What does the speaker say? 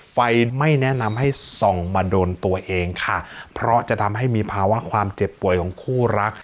ไม่แนะนำให้ส่องมาโดนตัวเองค่ะเพราะจะทำให้มีภาวะความเจ็บป่วยของคู่รัก